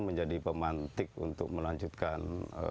menjadi pemantik untuk melanjutkan